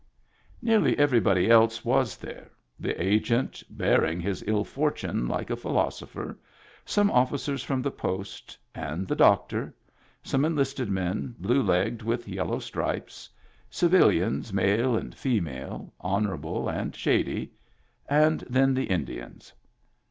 Nearly everybody else was there: the Agent, bearing his ill fortune like a philosopher ; some officers from the Post, and the doctor; some enlisted men, blue legged with yellow stripes; civilians male and female, honorable and shady ; and then the Indians.